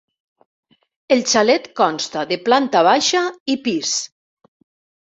El xalet consta de planta baixa i pis.